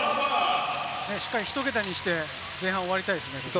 しっかりひと桁にして、前半終わりたいですよね。